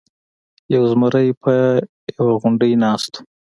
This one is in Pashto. یو زمری په یوه غونډۍ ناست و.